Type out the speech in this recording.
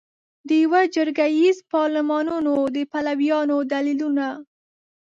د یوه جرګه ایز پارلمانونو د پلویانو دلیلونه